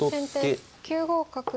先手９五角。